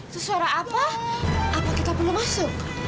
suara apa apa kita perlu masuk